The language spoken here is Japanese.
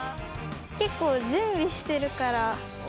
結構準備してるから。